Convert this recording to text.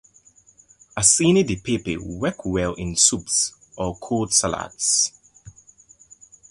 Acini di pepe work well in soups or cold salads.